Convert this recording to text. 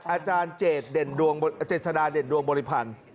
อาจารย์เจดเจษฎาเด่นดวงบริพันธ์